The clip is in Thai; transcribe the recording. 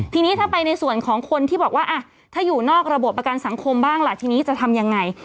ทีนี้ถ้าไปในส่วนของคนที่บอกว่าถ้าอยู่นอกระบบประกันสังคมบ้างล่ะทีนี้จะทำยังไง